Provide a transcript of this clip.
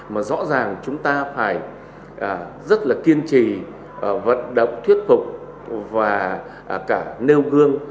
mà rõ ràng chúng ta phải rất là kiên trì vận động thuyết phục và cả nêu gương